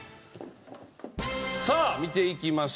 さあ見ていきましょう。